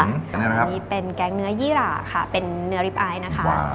อันนี้เป็นแก๊งเนื้อยี่หล่าค่ะเป็นเนื้อริปไอซ์นะคะ